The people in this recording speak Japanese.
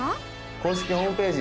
公式ホームページ